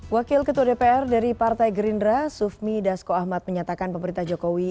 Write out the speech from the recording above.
wakil ketua dpr dari partai gerindra sufmi dasko ahmad menyatakan pemerintah jokowi